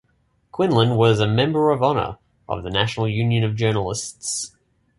Quinlan was a "member of honour" of the National Union of Journalists.